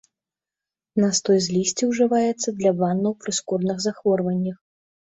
Настой з лісця ўжываецца для ваннаў пры скурных захворваннях.